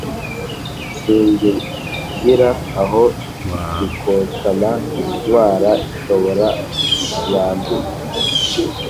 singungira aho zikotana ntwara inshoboramyambi.